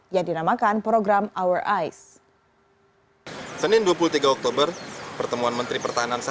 yang dinamakan program awp